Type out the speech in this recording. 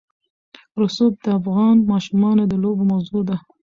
رسوب د افغان ماشومانو د لوبو موضوع ده.